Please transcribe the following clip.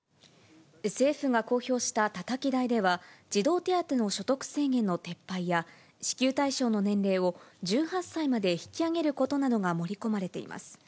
政府が公表したたたき台では、児童手当の所得制限の撤廃や、支給対象の年齢を、１８歳まで引き上げることなどが盛り込まれています。